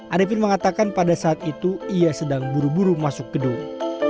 arifin mengatakan pada saat itu ia sedang buru buru masuk gedung